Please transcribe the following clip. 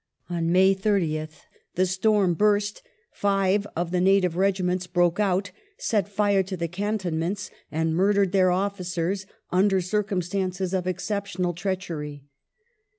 On May 30th the storm burst ; €ive of the native regiments broke out, set fire to the cantonments, and murdered their officers, under circumstances of exceptional treachery.